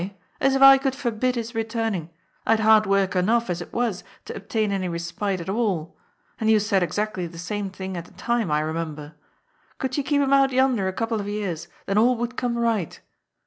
As if I could forbid his returning. I had hard work enough, as it was, to obtain any respite at all. And you said exactly the same thing at the time, I remember. ^ Gould you keep him out yonder a couple of years, then all would come right